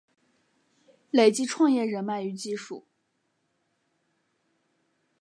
累积创业人脉与技术